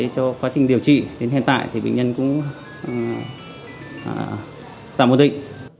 cho quá trình điều trị đến hiện tại thì bệnh nhân cũng tạm ổn định